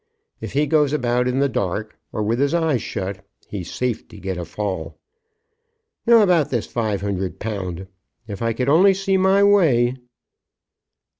If he goes about in the dark, or with his eyes shut, he's safe to get a fall. Now about this five hundred pound; if I could only see my way